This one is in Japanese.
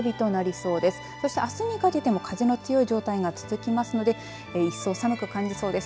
そして、あすにかけても風の強い状態が続きますので一層寒く感じそうです。